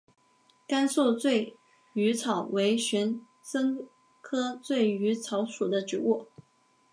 甘肃醉鱼草为玄参科醉鱼草属的植物。